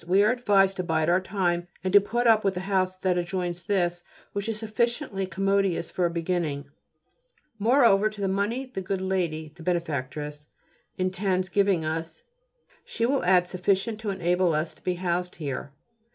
We are advised to bide our time and to put up with the house that adjoins this, which is sufficiently commodious for a beginning. Moreover, to the money the good lady (the benefactress) intends giving us she will add sufficient to enable us to be housed here.